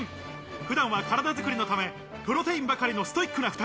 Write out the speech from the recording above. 普段は体作りのため、プロテインばかりのストイックな２人。